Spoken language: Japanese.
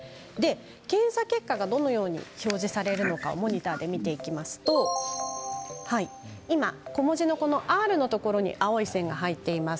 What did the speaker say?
検査結果がどのように表示されるのかモニターで見ていきますと今、小文字のｒのところに青い線が入っています。